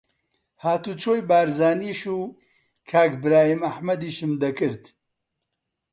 هاتوچۆی بارزانیش و کاک برایم ئەحمەدیشم دەکرد